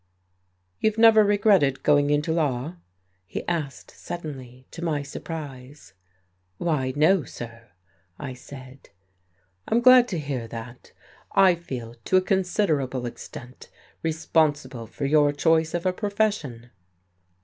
"You've never regretted going into law?" he asked suddenly, to my surprise. "Why, no, sir," I said. "I'm glad to hear that. I feel, to a considerable extent, responsible for your choice of a profession."